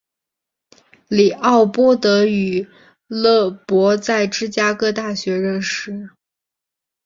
李奥波德与勒伯在芝加哥大学认识。